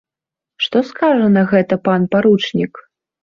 Што скажа на гэта пан паручнік?